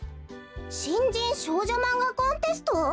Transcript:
「新人少女マンガコンテスト」？